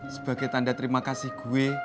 sebagai tanda terima kasih gue